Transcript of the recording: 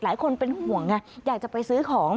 หลายคนเป็นห่วงไงอยากจะไปซื้อของ